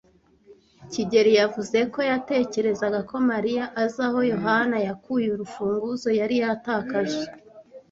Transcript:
kigeli yavuze ko yatekerezaga ko Mariya azi aho Yohana yakuye urufunguzo yari yatakaje.